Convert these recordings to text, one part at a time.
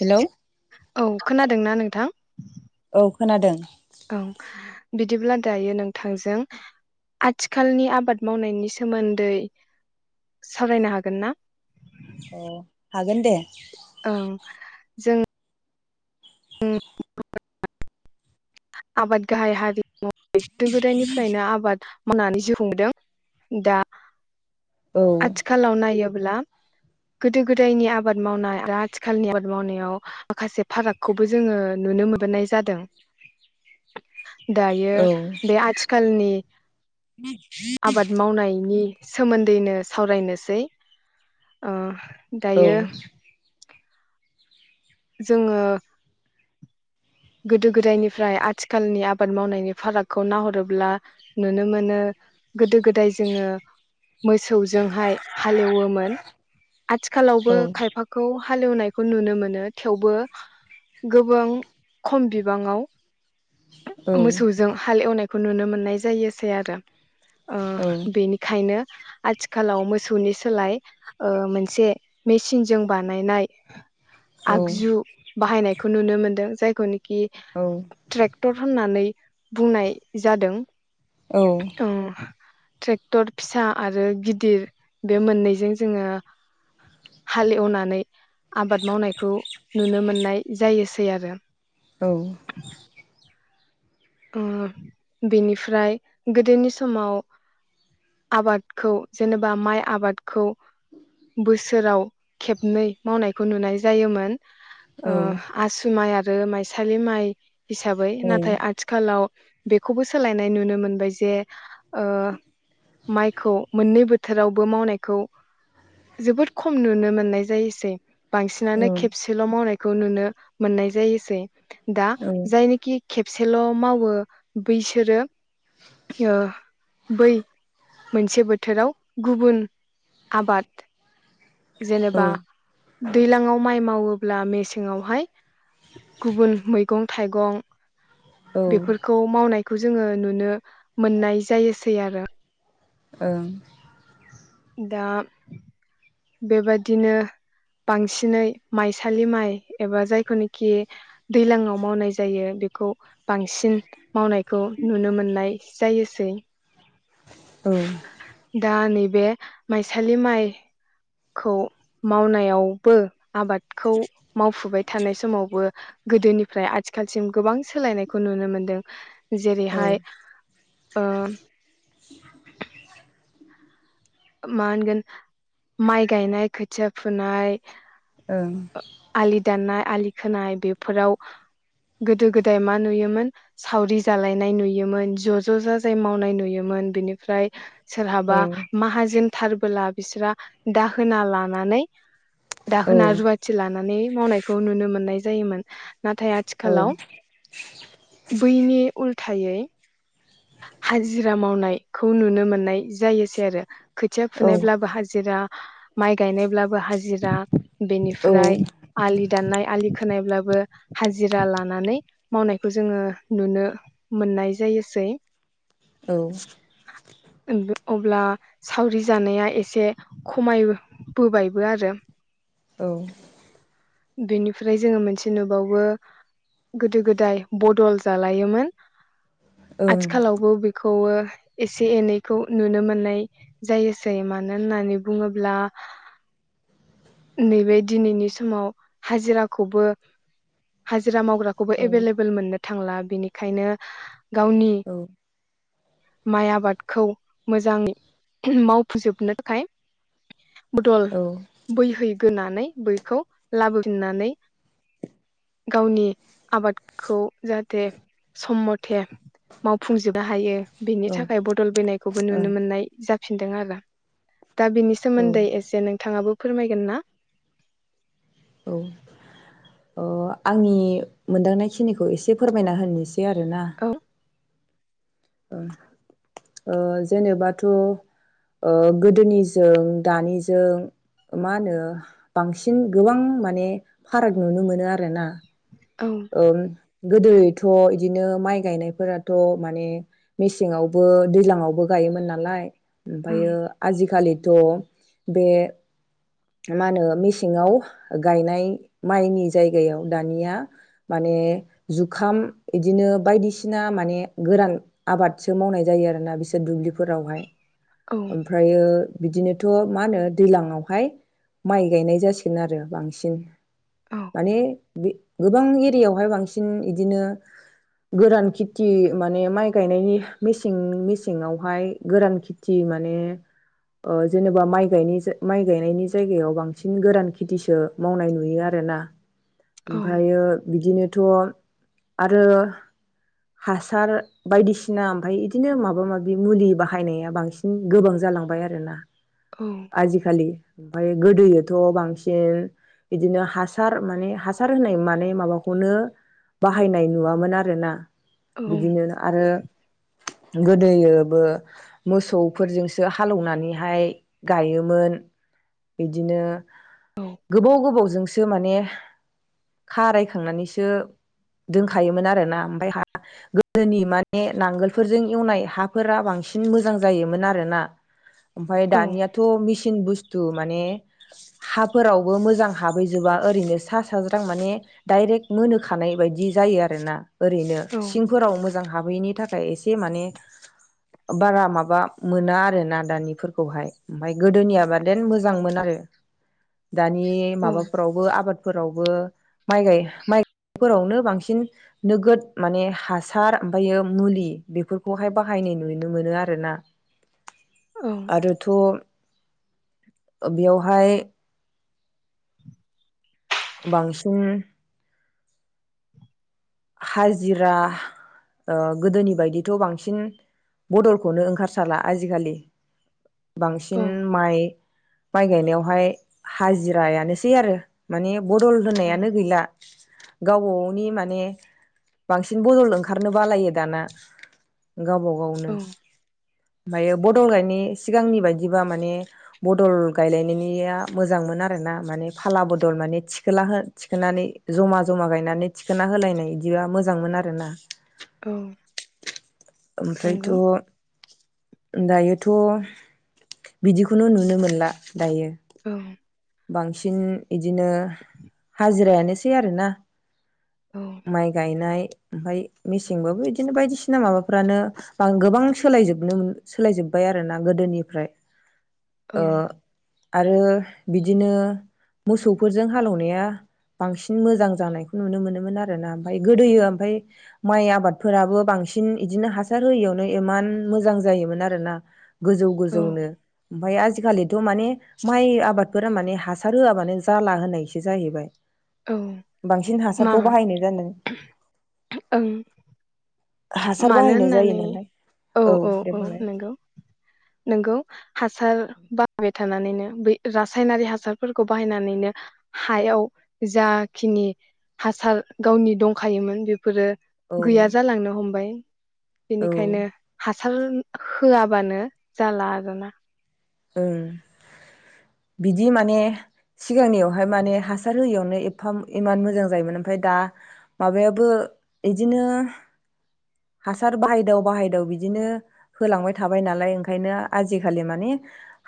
Hello औ खोनादोंना नोंथां? खौ खोनादों। ओं बिदिब्ला दायो नोंथांजों आथिखालनि आबाद मावनायनि सोमोन्दै सावरायनो हागोन ना? अ हागोन दे। ओं जों उम आबाद गाहाय हारि मह गोदो गोदायनिफ्रायनो आबाद मावनानै जिउ खुंबोदों दा औ आथिखालाव नायो ब्ला गोदो गोदायनि आबाद मावनाय आरो आथिखालनि आबाद मावनायाव माखासे फारागखौबो जोङो नुनो मोननाय जादों। दायो औ बे आथिखालनि आबाद मावनायनि सोमोन्दैनो सावरायनोसै ओ औ दायो जोङो गोदो गोदायनिफ्राय आथिखालनि आबाद मावनायनि फारागखौ नाहरोब्ला नुनो मोनो। गोदो गोदाय जोङो मोसौजोंहाय हालेवोमोन। आथिखालावबो औ खायफाखौ हालेवनायखौ नुनो मोनो। थेवबो गोबां खम बिबाङाव औ मोसौजों हाल एवनाय खौ नुनो मोननाय जायोसै आरो। ओ औ बेनिखायनो आथिखालाव मोसौनि सोलाय ओ मोनसे मेचिनजों बानायनाय औ आगजु बाहायनाय- खौ नुनो मोनदों जायखौनो कि औ ट्रेक्टर होननानै बुंनाय जादों। औ ट्रेक्टर फिसा आरो गिदिर बे मोननैजों जोङो हाल एवनानै आबाद मावनाय खौ नुनो मोननाय जायोसै आरो। औ ओ बेनिफ्राय गोदोनि समाव आबादखौ जेनेबा माइ आबादखौ बोसोराव खेबनै मावनायखौ नुनाय जायोमोन। ओ आसु माइ आ रो माइ सालि माइ हिसाबै नाथाय आ आथिखालाव बेखौबो सोलायनाय नुनो मोनबाय जे ओ माइखौ मोननै बोथोरावबो मावनायखौ जोबोद खम नुनो मोननाय जायोसै। बांसिनानो खेबसेल मावनाय खौ नुनो मोननाय जायोसै। दा जायनिखि खेबसे हेल मावो। बैसोरो ओ बै मोनसे बोथोराव गुबुन आबाद जेनेबा दैलाङाव माइ मावो। अब्ला मेसेंआवहाय गुबुन मैगं थाइगं बेफोरखौ मावनाय खौ जोङो नुनो मोननाय जायोसै आरो। ओं दा बेबादिनो बांसिनै माइसालि माइ एबा जायखौनिखि दैलाङाव मावनाय जायो। बेखौ बांसिन मावनायखौ नुनो मोननाय जायोसै। ओं औ दा नै बे माइसालि माइखौ मावनायावबो बे आबादखौ मावफुबाय थानाय समावबो गोदोनिफ्राय आथिखालसिम गोबां सोलायनायखौ नुनो मोनदों। ओं औ औ जेरैहाय ओ [inaudible] मा होनगोन माइ गायनाय खोथिया फुनाय ओं आलि दाननाय आलि खोनाय बेफोराव गोदो गोदाय मा नुयोमोन सावरि जालायनाय नुयोमोन ज ज जा जाय मावनाय नुयोमोन। बिनिफ्राय सोरहाबा जोनथारबोला बिसोर दाहोना लानानै दाहोना रुवाथि लानानै मावनायखौ नुनो मोननाय जायोमोन नाथाय औ औ आथिखालाव औ बैनि उल थायै हाजिरा मावनायखौ नुनो मोननाय जायोसै आरो । खोथिया ओं औ फुनायब्लाबो हाजिरा माइ गायनायब्ला हाजिरा औ बेनिफ्राय आलि दाननाय आलि खोनायब्लाबो हाजिरा लानानै मावनायखौ जोङो नुनो मोननाय जायोसै । औ अब्ला सावरि जानाया एसे खमायबोबायबो आरो औ' बेनिफ्राय जोङो मोनसे नुबावो गोदो गोदाय बदल जालायोमोन । आथिखालावबो बेखौ खौबो एसे एनैखौ नुनो मोननाय जायोसै मानो होननानै बुङोब्ला नैबे दिनैनि समाव हाजिराखौबो हा जिरा मावग्राखौबो एभेलेबोल मोननो थांला बिनिखायनो गावनि माइ आबादखौ मोजाङै मावफुंजोबनो थाखाय बदल औ बैहै होनानै बैखौ लाबोफिननानै गावनि आबादखौ जाहाथे सम मथे मावफुंजोबनो हायो बेनि थाखाय बदल बयनायखौबो नुनो मोननाय जा फिनदों आरो दा बिनि सोमोनदै एसे नोंथाङाबो फोरमायगोन ना औ अ आंनि मोनदांनायखिनिखौ एसे फोरमायना होनि । सै आरोना औ ओ ओ जेनेबाथ' ओ गोदोनिजों दानिजों मा होनो बांसिन गोबां माने फाराग नुनो मोनो आरोना । औ ओम गोदोथ' इदिनो माइ गायनायफोराथ' माने मेसेंवबो दैज्लांवबो गायोमोन नालाय । ओं ओमफ्रायो आजिखालिथ' बे मा होनो मेसेङाव गायनाय माइनि जायगायाव दानिया माने जुखाम इदिनो बायदिसिना माने गोरान आबादसो मावनाय जायो आरोना बिसोर दुब्लिफोरावहाय। औ ओमफ्रायो बिदिनो थ मा होनो दैलांवहाय माइ गायनाय जासिगोन आरो बांसिन। औ माने गोबां दैयावहाय बांसिन इदिनो गोरान खेथि माने माइ गायनायनि मेसें मेसेङावहाय गोरान खेथि माने ओ जेनेबा माइ गाय माइ गायनायनि जायगायाव बांसिन गोरान खेथिसो मावनाय नुयो आरोना। औ ओमफ्रायो बिदिनोथ आरो हासार बायदिसिना ओमफ्राय इदिनो माबा माबि मुलि बाहायनाया बांसिन गोबां जालांबाय आरोना। औ आजिखालि ओमफ्राय गोदोयोथ बांसिन बिदिनो हासार माने हासार होनाय माने माबा खौनो बाहायनाय नुवामोन आरो ना बिदिनो आरो गोदोयोबो मोसौफोरजोंसो हालेवनानैहाय गायोमोन। बिदिनो औ गोबाव गोबावजोंसो माने खाराय खांनानैसो दोनखायोमोन आरोना ओमफ्राय हा गोदोनि माने नांगोलफोरजों एवनाय हाफोरा बांसिन मोजां जायोमोन आरोना। ओमफफ्राय औ दानियाथ मिसिन बुस थु माने हाफोरावबो मोजां हाबैजोबा ओरैनो सा साज्रां माने डाइरेक्ट मोनोखानाय बायदि जायो आरोना। ओरैनो औ सिंफोराव मोजां हाबहैयैनि थाखाय एसे माने बारा माबा मोना आरोना दानिफोरखौहाय। ओमफफ्राय गोदोनियाबादेन मोजांमोन आरो। दानि औ माबाफ्रावबो आबाद फोरावबो माइ गाय माइफोरावनो बांसिन नोगोद माने हासार ओमफ्रायो मुलि बेफोरखौहाय बाहायनाय नुनो मोनो आरोना। आरोथ बेवहाय बांसिन हाजिरा ओ गोदोनि बायदिथ बांसिन बदलखौनो ओंखारसारला आजिखालि। औ बांसिन माइ माइ गायनायावहाय हाजिरायानोसै आरो मान बदल होनायानो गैला। गावबा गावनि माने बांसिन बदल ओंखारनो बालायो दाना। गावबा औ गावनो ओमफाय बदल गायनाय सिगांनि बायदिबा माने बदल गायलायनायनिया मोजांमोन आरोना माने फाला बदल माने थिखोला थिखोनानै जमा जमा गायनानै थिखोना होलायनाय। बिदिबा मोजांमोन आरोना औ ओमफ्रायथ नंगौ दायोथ' बिदिखौनो नुनो मोनला दायो । औ बांसिन बिदिनो हाजिरायानोसै आरोना । औ माइ गायनाय ओमफफ्राय मेसेंबाबो बिदिनो बायदिसिना माबाफ्रानो गोबां सोलायजोबनो सोलाय जोब्बाय आरो ना गोदोनिफ्राय औ ओ आरो [inaudible] बिदिनो मोसौफोरजों हालौवनाया बांसिन मोजां जानायखौ नुनो मोनोमोन आरोना ओमफफ्राय गोदोयो ओमफफ्राय माइ आबादफोराबो बांसिन बिदिनो हासार होयियावनो इमान मोजां जायोमोन आरोना । गोजौ औ गोजौनो ओमफफ्राय आजिखालि माने माइ आबाद बे फोर माने हासार होआबानो जाला होनायसो जाहैबाय औ । बांसिन मा हासारखौ बाहायनाय जादों । ओं मानो होननानै औ औ दे औ बुंलाय नंगौ नोंगौ हासार बाहायबाय थानानैनो बै रासायनारि हासारफोरखौ बाहायनानैनो हायाव जाखिनि हासार गावनि दंखायोमोन बे फोर औ गैया जालांनो हम बाय औ हासार होआबानो जाला आरोना । ओं बिदि माने सिगांनियावहाय माने हासार होयियावनो एफा इमान मोजां जायोमोन ओमफफ्राय दा माबायाबो बिदिनो हासार बाहायदाव बाहायदाव बिदिनो होलांबाय थाबाय नालाय ओंखायनो आजिखालि माने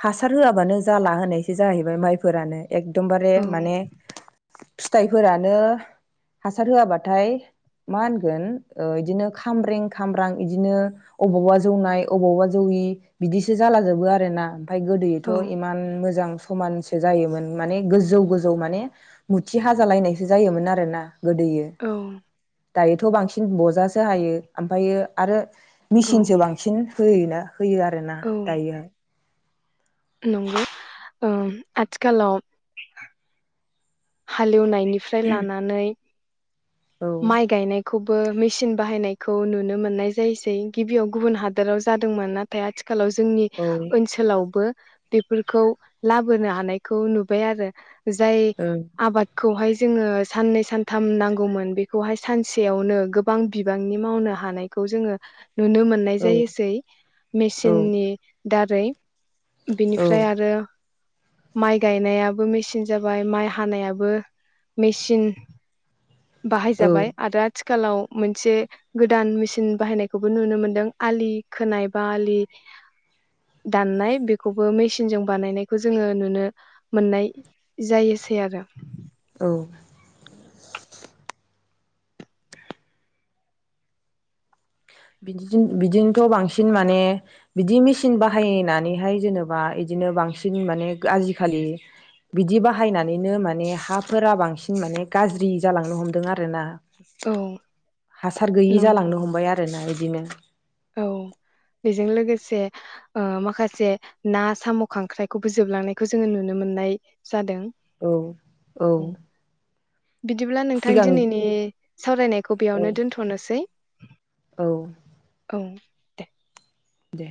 हासार होआबानो जाला होनायसो जाहैबाय माइफोरानो एकदमबारे औ माने फिथाइफोरानो हासार होआबाथाय मा होनगोन बिदिनो खामब्रें खामब्रां बिदिनो अबावबा जौनाय अबावबा जौयि बिदिसो जालाजोबो आरो ना । ओमफाय गोदोथ' औ इमान मोजां समानसो जायोमोन माने गोजौ गोजौ माने मुथि हाजालायनायसो जायोमोन आरोना गोदोयो औ दायोथ' बांसिन बजासो हायो ओमफ्रायो आरो औ मिसिंसो बांसिन होयोना । होयो आरोना औ दायोहाय । नंगौ ओम आथिखालाव हालेवनाय निफ्राय लानानै औ माइ गायनाय खौबो मेचिन बाहायनायखौ नुनो मोननाय जायोसै गिबियाव गुबुन हादोराव जादोंमोन नाथाय आथि आथिखालाव जोंनि औ ओनसोलावबो बेफोरखौ लाबोनो हानायखौ नुबाय आरो जाय ओं आबादखौहाय जोङो साननै सानथाम नांगौमोन बे बेखौहाय सानसेयावनो गोबां बिबांनि मावनो हानायखौ जोङो नुनो मोननाय औ जायोसै औ मेसिननि दारै बेनिफ्राय औ आरो माइ गायनायाबो मेचिन जाबाय माइ हानायाबो मेचिन बाहायजाबाय आरो आथि आथिखालाव मोनसे गोदान मेसिन बाहायनायखौबो नुनो मोनदों आलि खोनाय बा आलि दाननाय बेखौबो मेसिनजों बानायनायखौ जोङो नुनो मोननाय जायोसै आरो औ बिदि बिदिनोथ' बांसिन माने बिदि मेसिन बाहायनानैहाय जेनेबा बिदिनो बांसिन माने आजिखालि बिदि बाहायनानैनो माने हाफोरा बांसिन माने गाज्रि जालांनो हमदों आरोना औ हासार गैयि जालांनो नंगौ हमबाय आरो ना इदिनो औ बेजों लोगोसे ओ माखासे ना साम' खांख्राइखौबो जोबलांनायखौ जोङो नुनो मोननाय जादों औ औ बिदिब्ला नोंथां सिगां दिनैनि सावरायनायखौ औ बेयावनो दोन्थ'नोसै औ औ दे दे